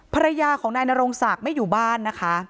ภรรยาของนายนรงศักดิ์ไม่อยู่บ้านนะคะ